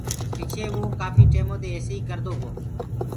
پڇي وو ڪآڦي ٽيمودي ايسي ئي ڪردو گو۔